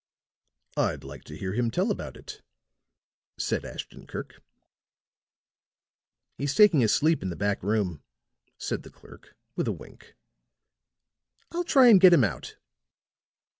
"I'd like to hear him tell about it," said Ashton Kirk. "He's taking a sleep in the back room," said the clerk, with a wink. "I'll try and get him out."